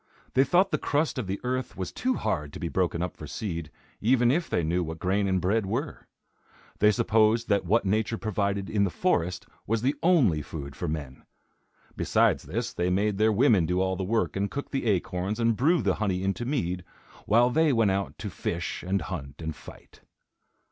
They thought the crust of the earth was too hard to be broken up for seed, even if they knew what grain and bread were. They supposed that what nature provided in the forest was the only food for men. Besides this, they made their women do all the work and cook the acorns and brew the honey into mead, while they went out to fish and hunt and fight.